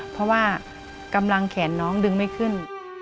เพราะว่ากำลังแขนน้องดึงไม่ขึ้น